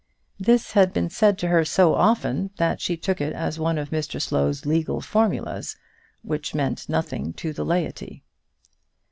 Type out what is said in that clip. This had been said to her so often, that she took it as one of Mr Slow's legal formulas, which meant nothing to the laity.